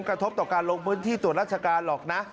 กระทบต่อการลงพื้นที่ตรวจราชการหรอกนะ